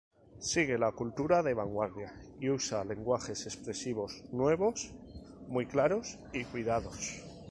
Sigue la cultura de vanguardia y usa lenguajes expresivos nuevos, muy claros y cuidados.